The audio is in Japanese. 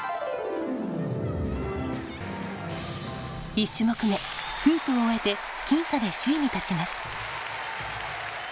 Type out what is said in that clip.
１種目目フープを終えて僅差で首位に立ちます。